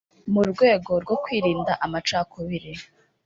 mu rwego rwo kwirinda amacakubiri